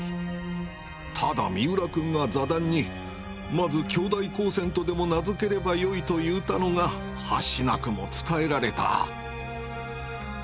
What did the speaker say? ただ三浦君が座談にまず京大光線とでも名づければよいと云うたのがはしなくも伝えられた」。